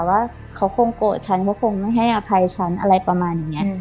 ว่าเขาคงโกรธฉันว่าคงไม่ให้อภัยฉันอะไรประมาณอย่างนี้